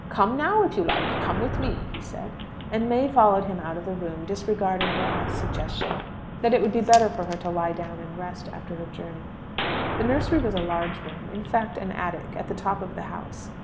"Come now, if you like. Come with me," he said. And May followed him out of the room, disregarding her aunt's suggestion that it would be better for her to lie down and rest after her journey. The nursery was a large room in fact, an attic at the top of the house.